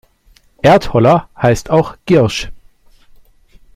Erdholler heißt auch Giersch.